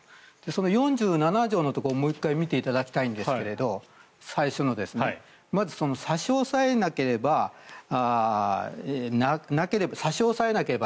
その最初の４７条のところもう一回見ていただきたいんですがまず差し押さえなければならないと。